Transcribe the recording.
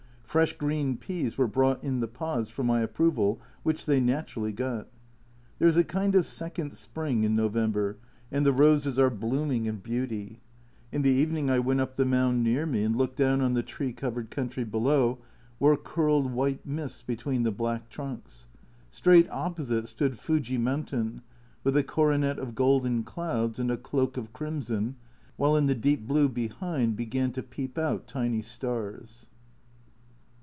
Fresh green peas were brought in the pods for my approval, which they naturally got. There is a kind of second spring in November, and the roses are blooming in beauty. In the evening I went up the mound near me and looked down on the tree covered A Journal from Japan 231 country below, where curled white mists between the black trunks. Straight opposite stood Fuji mountain, with a coronet of golden clouds and a cloak of crimson, while in the deep blue behind began to peep out tiny stars.